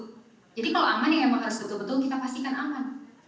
jadi kalau aman ya memang harus betul betul kita pastikan aman